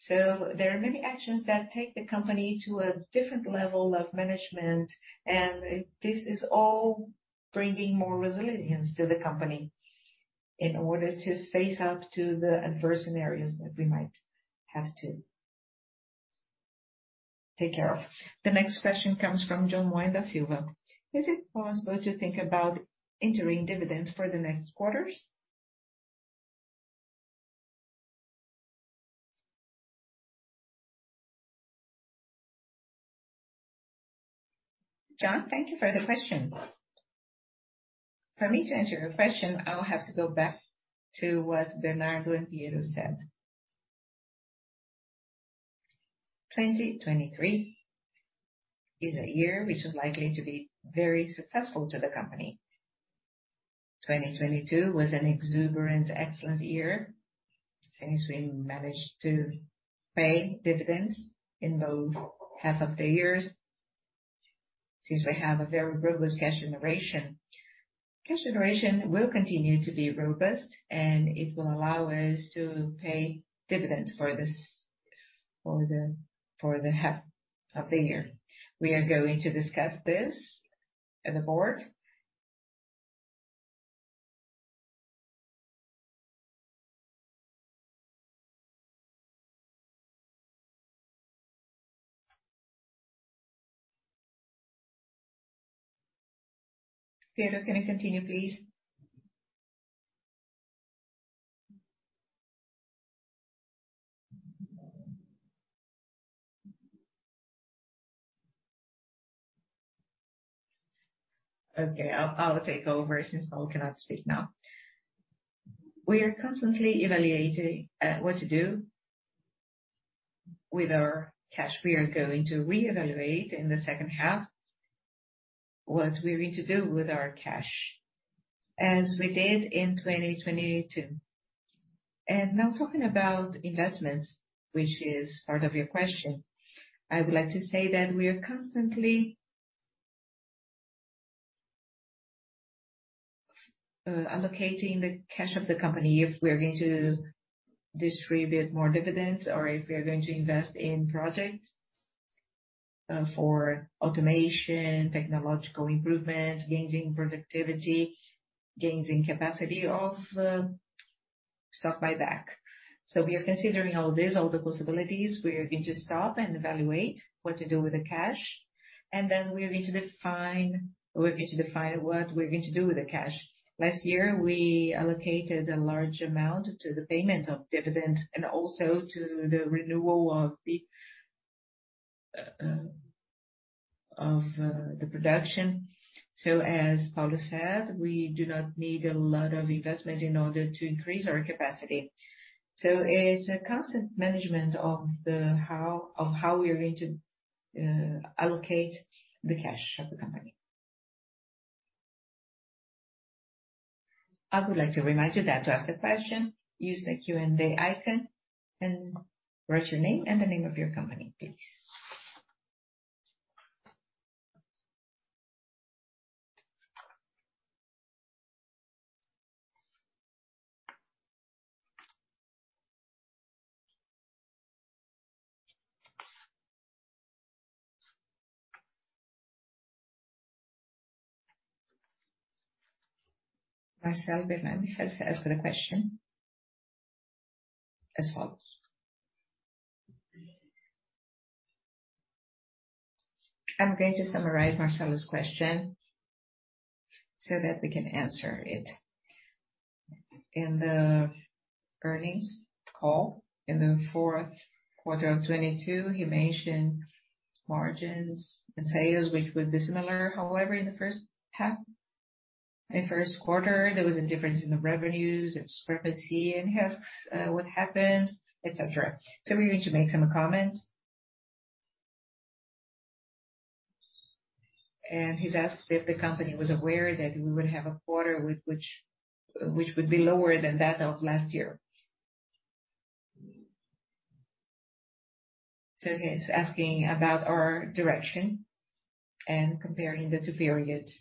Sul. There are many actions that take the company to a different level of management, and this is all bringing more resilience to the company in order to face up to the adverse scenarios that we might have to take care of. The next question comes from John Moeda Silva. Is it possible to think about entering dividends for the next quarters? John, thank you for the question. For me to answer your question, I'll have to go back to what Bernardo and Piero said. 2023 is a year which is likely to be very successful to the company. 2022 was an exuberant excellent year, since we managed to pay dividends in both half of the years, since we have a very robust cash generation. Cash generation will continue to be robust, and it will allow us to pay dividends for the half of the year. We are going to discuss this at the board. Piero, can you continue, please? Okay. I'll take over since Paulo cannot speak now. We are constantly evaluating what to do with our cash. We are going to reevaluate in the second half what we're going to do with our cash, as we did in 2022. Now talking about investments, which is part of your question, I would like to say that we are constantly allocating the cash of the company if we are going to distribute more dividends or if we are going to invest in projects for automation, technological improvement, gains in productivity, gains in capacity of stock buyback. We are considering all this, all the possibilities. We are going to stop and evaluate what to do with the cash, then we are going to define what we're going to do with the cash. Last year, we allocated a large amount to the payment of dividend and also to the renewal of the production. As Paulo said, we do not need a lot of investment in order to increase our capacity. It's a constant management of how we are going to allocate the cash of the company. I would like to remind you that to ask a question, use the Q&A icon and write your name and the name of your company, please. Marcelo Bernardes has asked a question as follows. I'm going to summarize Marcelo's question so that we can answer it. In the earnings call in the fourth quarter of 2022, you mentioned margins and sales, which were dissimilar. In first quarter, there was a difference in the revenues and supremacy, and he asks what happened, etc. We are going to make some comments. He's asked if the company was aware that we would have a quarter which would be lower than that of last year. He's asking about our direction and comparing the two periods.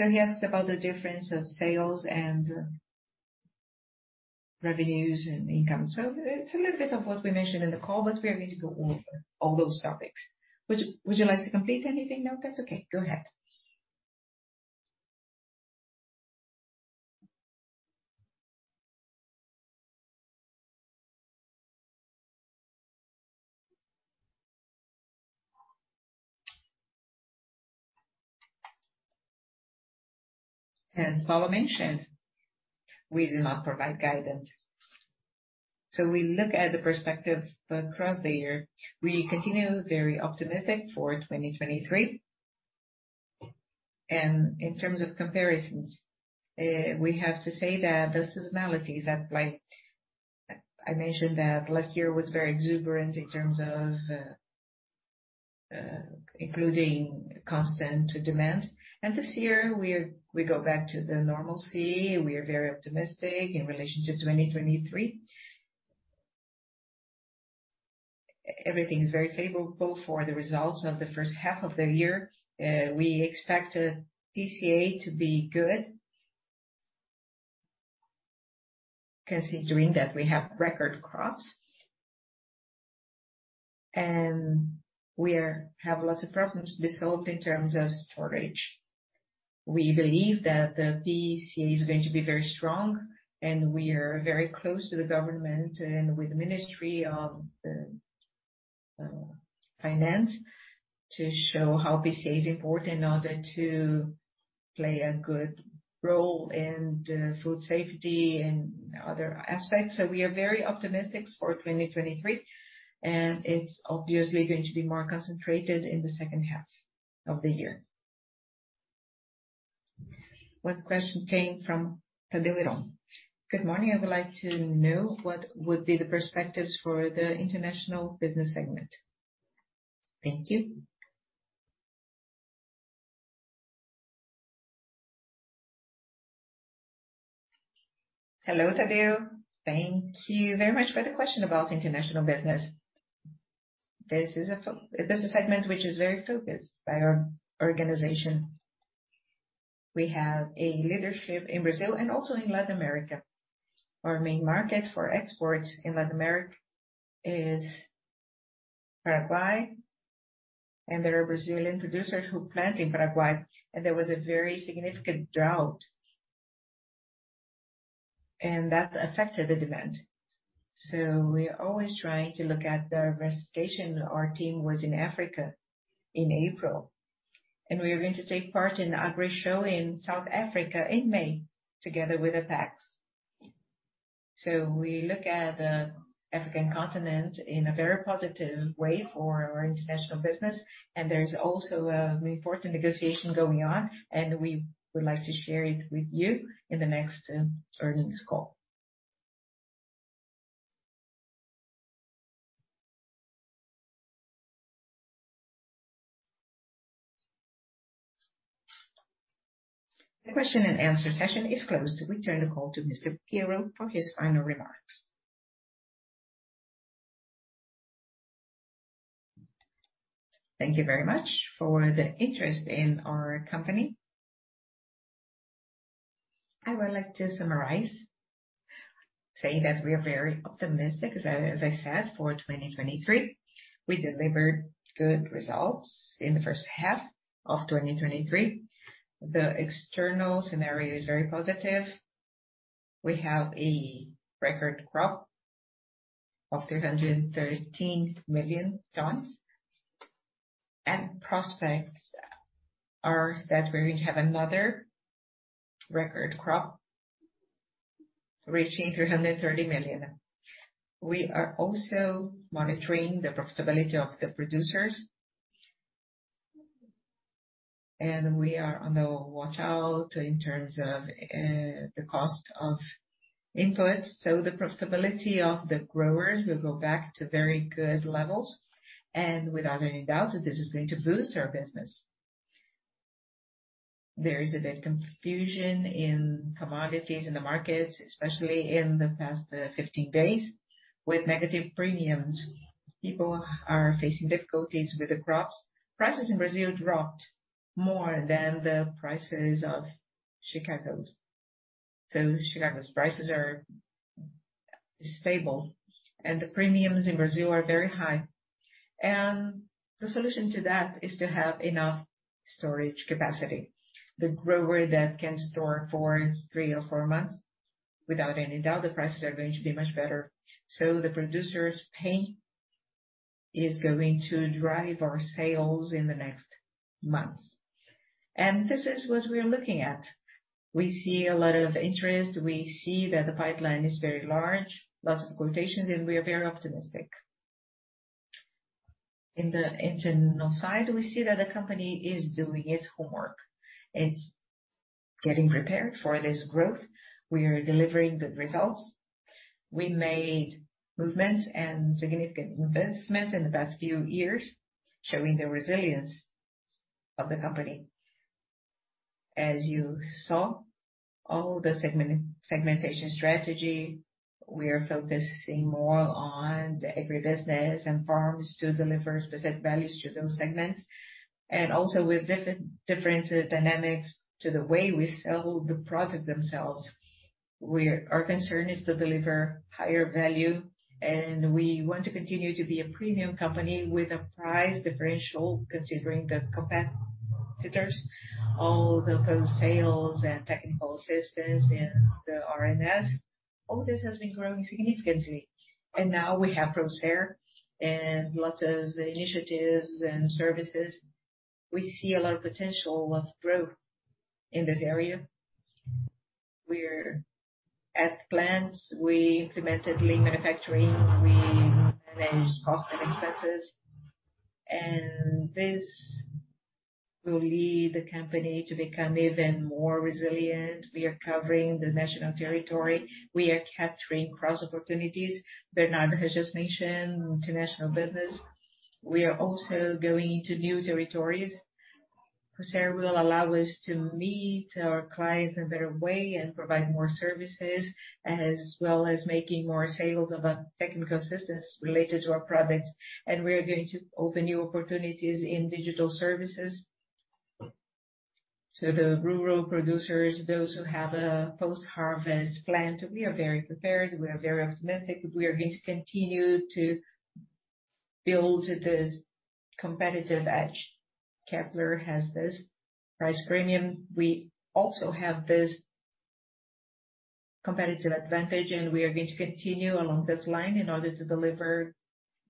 He asks about the difference of sales and revenues and income. It's a little bit of what we mentioned in the call, but we are going to go over all those topics. Would you like to complete anything now? It's okay. Go ahead. As Paulo mentioned, we do not provide guidance. We look at the perspective across the year. We continue very optimistic for 2023. In terms of comparisons, we have to say that the seasonalities are like I mentioned, that last year was very exuberant in terms of including constant demand. This year, we go back to the normalcy. We are very optimistic in relation to 2023. Everything is very favorable for the results of the first half of the year. We expect TCA to be good. Because in doing that, we have record crops. We have lots of problems solved in terms of storage. We believe that the PCA is going to be very strong and we are very close to the government and with the Ministry of Finance to show how PCA is important in order to play a good role in food safety and other aspects. We are very optimistic for 2023, and it's obviously going to be more concentrated in the second half of the year. One question came from Tadeu Iron. Good morning. I would like to know what would be the perspectives for the international business segment. Thank you. Hello, Tadeu. Thank you very much for the question about international business. This is a segment which is very focused by our organization. We have a leadership in Brazil and also in Latin America. Our main market for exports in Latin America is Paraguay, and there are Brazilian producers who plant in Paraguay, and there was a very significant drought, and that affected the demand. We're always trying to look at the investigation. Our team was in Africa in April. We are going to take part in the Agrishow in South Africa in May together with Apex. We look at the African continent in a very positive way for our international business. There's also an important negotiation going on. We would like to share it with you in the next earnings call. The question and answer session is closed. We turn the call to Ms. Piero Abbondi for his final remarks. Thank you very much for the interest in our company. I would like to summarize, say that we are very optimistic, as I said, for 2023. We delivered good results in the first half of 2023. The external scenario is very positive. We have a record crop of 313 million tons. Prospects are that we're going to have another record crop reaching 330 million. We are also monitoring the profitability of the producers. We are on the watch out in terms of the cost of inputs, the profitability of the growers will go back to very good levels. Without any doubt, this is going to boost our business. There is a bit confusion in commodities in the markets, especially in the past, 15 days with negative premiums. People are facing difficulties with the crops. Prices in Brazil dropped more than the prices of Chicago's. Chicago's prices are stable, and the premiums in Brazil are very high. The solution to that is to have enough storage capacity. The grower that can store for three or four months, without any doubt, the prices are going to be much better. The producers' pay is going to drive our sales in the next months. This is what we are looking at. We see a lot of interest. We see that the pipeline is very large, lots of quotations, and we are very optimistic. In the internal side, we see that the company is doing its homework. It's getting prepared for this growth. We are delivering good results. We made movements and significant investments in the past few years, showing the resilience of the company. As you saw, all the segmentation strategy, we are focusing more on the agribusiness and farms to deliver specific values to those segments. Also with different dynamics to the way we sell the product themselves. Our concern is to deliver higher value, and we want to continue to be a premium company with a price differential considering the competitors. All the post-sales and technical assistance and the R&S, all this has been growing significantly. Now we have Procer and lots of initiatives and services. We see a lot of potential of growth in this area. We're at plans. We implemented lean manufacturing. We manage cost and expenses. This will lead the company to become even more resilient. We are covering the national territory. We are capturing cross-opportunities. Bernardo has just mentioned international business. We are also going into new territories. Procer will allow us to meet our clients in a better way and provide more services, as well as making more sales of our technical assistance related to our products. We are going to open new opportunities in digital services. To the rural producers, those who have a post-harvest plant, we are very prepared, we are very optimistic. We are going to continue to build this competitive edge. Kepler has this price premium. We also have this competitive advantage. We are going to continue along this line in order to deliver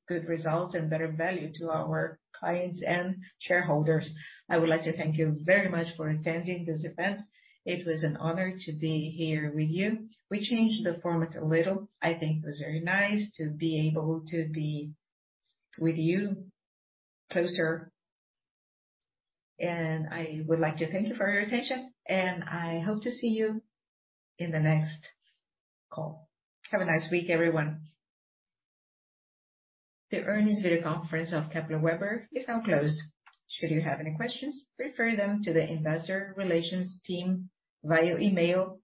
good results and better value to our clients and shareholders. I would like to thank you very much for attending this event. It was an honor to be here with you. We changed the format a little. I think it was very nice to be able to be with you closer. I would like to thank you for your attention, and I hope to see you in the next call. Have a nice week, everyone. The earnings video conference of Kepler Weber is now closed. Should you have any questions, refer them to the investor relations team via email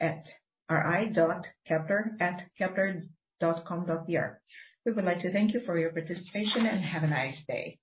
at ri.kepler@kepler.com.br. We would like to thank you for your participation, and have a nice day.